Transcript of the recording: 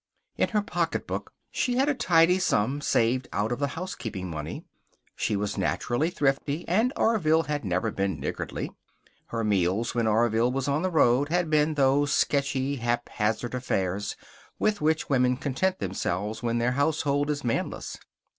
In her pocketbook she had a tidy sum saved out of the housekeeping money. She was naturally thrifty, and Orville had never been niggardly. Her meals when Orville was on the road had been those sketchy, haphazard affairs with which women content themselves when their household is manless.